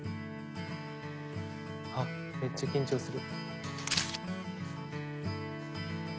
あっめっちゃ緊張する。